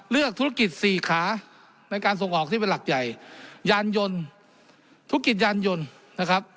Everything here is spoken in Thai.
เลือกธุรกิจสี่ขาในการส่งออกที่เป็นหลักใหญ่ยานยนต์ธุรกิจยานยนต์นะครับ